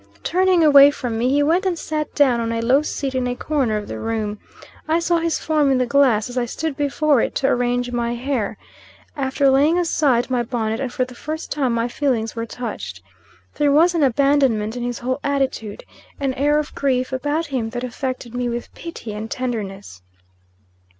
Turning away from me, he went and sat down on a low seat in a corner of the room. I saw his form in the glass as I stood before it to arrange my hair, after laying aside my bonnet; and for the first time my feelings were touched. There was an abandonment in his whole attitude; an air of grief about him that affected me with pity and tenderness.